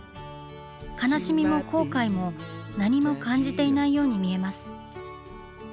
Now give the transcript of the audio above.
悲しみも後悔も何も感じていないように見えます。